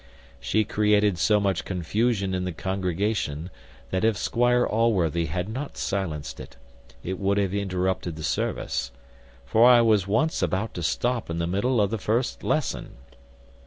She created so much confusion in the congregation, that if Squire Allworthy had not silenced it, it would have interrupted the service: for I was once about to stop in the middle of the first lesson.